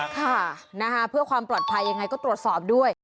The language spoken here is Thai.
ค่ะเพื่อความปลอดภัยยังไงก็ตรวจสอบด้วย